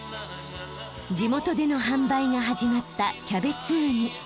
地元での販売が始まったキャベツウニ。